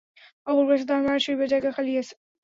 অপুর পাশে তাহার মায়ের শুইবার জায়গা খালি আছে।